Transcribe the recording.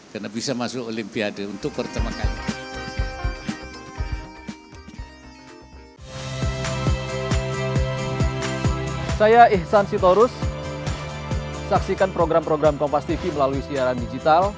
karena bisa masuk olimpiade untuk pertama kali